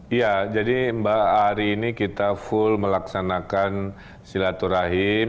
iya jadi mbak ari ini kita full melaksanakan silaturahim